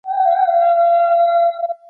اقتصادي تعاون د بې اتفاقۍ مخه نیسي.